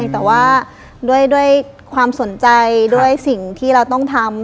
แต่ว่าด้วยความสนใจด้วยสิ่งที่เราต้องทำ